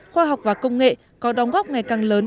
khoa học và công nghệ có đóng góp ngày càng lớn